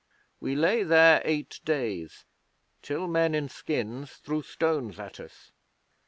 We lay there eight days, till men in skins threw stones at us.